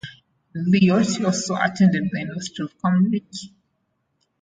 Elliott also attended the University of Cambridge.